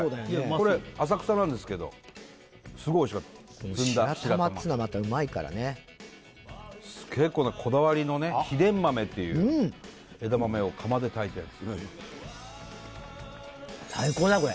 これ浅草なんですけどすごいおいしかったずんだ白玉っつうのはまたうまいからね結構なこだわりのね秘伝豆っていう枝豆を釜で炊いてるんですよね